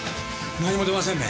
何も出ませんね。